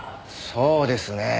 そうですねぇ